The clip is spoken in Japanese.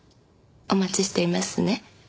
お待ちしていますね。